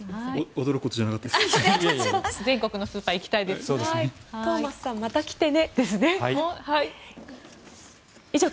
驚くことじゃなかったですね。